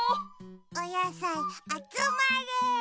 おやさいあつまれ。